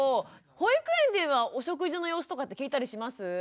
保育園ではお食事の様子とかって聞いたりします？